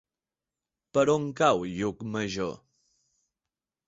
Per on cau Llucmajor?